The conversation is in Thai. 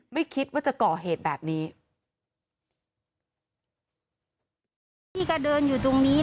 ไม่คิดว่าจะก่อเหตุแบบนี้